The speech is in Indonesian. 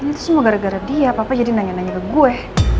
ini tuh semua gara gara dia papa jadi nanya nanya ke gue